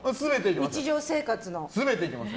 日常生活の。